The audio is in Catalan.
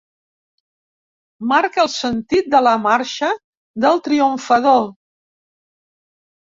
Marca el sentit de la marxa del triomfador.